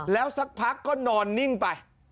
แล้วสักพักก็นอนนิ่งไป